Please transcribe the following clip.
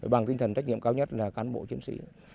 bằng tinh thần trách nhiệm cao nhất là cán bộ chiến sĩ